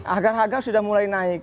agar harga sudah mulai naik